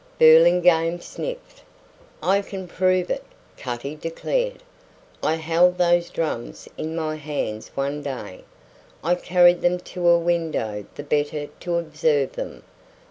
Burlingame sniffed. "I can prove it," Cutty declared. "I held those drums in my hands one day. I carried them to a window the better to observe them.